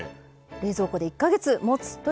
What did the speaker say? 冷蔵庫で１か月もつ。